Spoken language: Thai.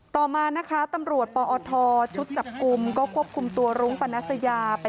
ต่อมานะคะตำรวจปอทชุดจับกลุ่มก็ควบคุมตัวรุ้งปนัสยาไป